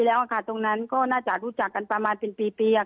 แล้วค่ะตรงนั้นก็น่าจะรู้จักกันประมาณเป็นปี